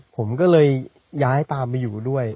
ผมก็เลยย้ายตามไปอยู่ด้วย